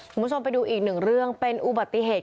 คุณผู้ชมไปดูอีกหนึ่งเรื่องเป็นอุบัติเหตุ